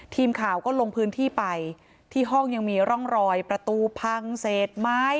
ทีมข่าวก็ลงพื้นที่ไปที่ห้องยังมีร่องรอยประตูพังเศษไม้